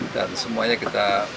dan semuanya kita